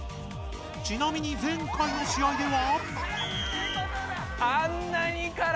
ちなみに前回の試合では。